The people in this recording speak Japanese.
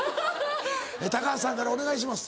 高畑さんからお願いします。